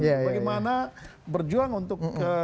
bagaimana berjuang untuk